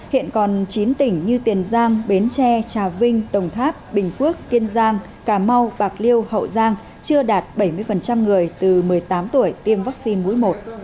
hiện còn chín tỉnh như tiền giang bến tre trà vinh đồng tháp bình phước kiên giang cà mau bạc liêu hậu giang chưa đạt bảy mươi người từ một mươi tám tuổi tiêm vaccine mũi một